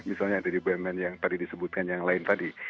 misalnya dari bumn yang tadi disebutkan yang lain tadi